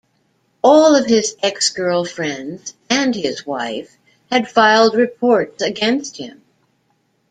All of his ex-girlfriends, and his wife, had filed reports against him.